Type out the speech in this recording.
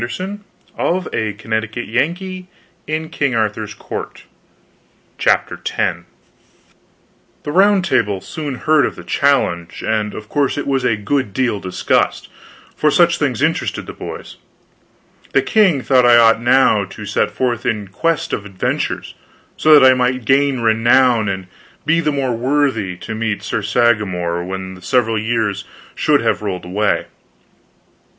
Well, I should smile. CHAPTER X BEGINNINGS OF CIVILIZATION The Round Table soon heard of the challenge, and of course it was a good deal discussed, for such things interested the boys. The king thought I ought now to set forth in quest of adventures, so that I might gain renown and be the more worthy to meet Sir Sagramor when the several years should have rolled away.